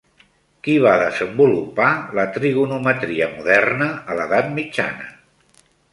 Qui va desenvolupar la trigonometria moderna a l'edat mitjana?